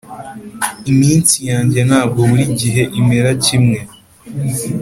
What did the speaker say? iminsi yange ntabwo buri gihe imera kimwe